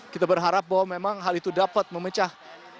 kita berharap bahwa memang hal itu dapat memecah